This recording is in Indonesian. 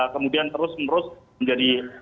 kemudian terus menerus menjadi